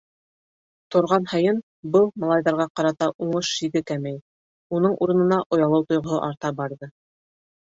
Торған һайын был малайҙарға ҡарата уның шиге кәмей, уның урынына оялыу тойғоһо арта барҙы.